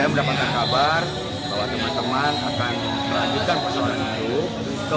saya mendapatkan kabar bahwa teman teman akan melanjutkan persoalan ini